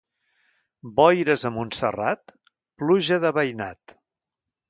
Boires a Montserrat, pluja de veïnat.